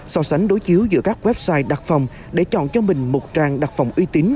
so sánh đối chiếu giữa các website đặt phòng để chọn cho mình một trang đặc phòng uy tín